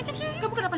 eh cips kamu kenapa